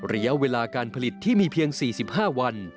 ระยะเวลาการผลิตที่มีเพียง๔๕วัน